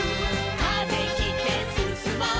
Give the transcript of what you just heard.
「風切ってすすもう」